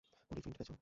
পলি, ফিল্মটা পেয়েছ?